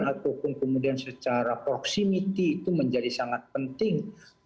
ataupun kemudian secara proximity itu menjadi sangat penting